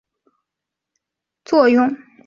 这个作用可以使得对乙酰氨基酚。